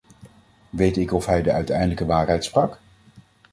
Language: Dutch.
Weet ik of hij de uiteindelijke waarheid sprak?